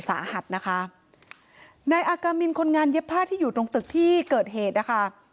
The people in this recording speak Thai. สาหัสนะคะนายอากามินคนงานเย็บผ้าที่อยู่ตรงตึกที่เกิดเหตุนะคะ